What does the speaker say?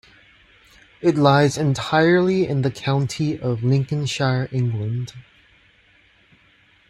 It lies entirely in the county of Lincolnshire, England.